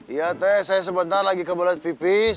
iya teh saya sebentar lagi ke balet pipis